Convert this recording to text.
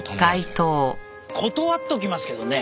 断っときますけどね